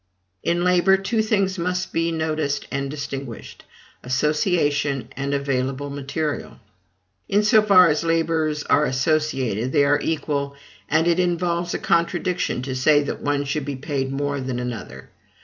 In labor, two things must be noticed and distinguished: ASSOCIATION and AVAILABLE MATERIAL. In so far as laborers are associated, they are equal; and it involves a contradiction to say that one should be paid more than another.